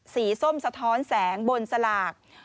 ส้มสะท้อนแสงบนสลาก